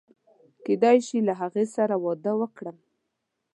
کېدای شي له هغې سره واده وکړم.